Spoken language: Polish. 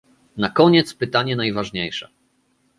Na koniec pytanie najważniejsze